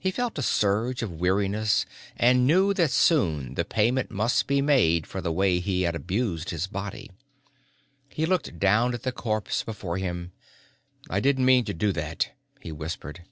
He felt a surge of weariness and knew that soon the payment must be made for the way he had abused his body. He looked down at the corpse before him. "I didn't mean to do that," he whispered.